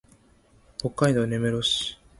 北海道根室市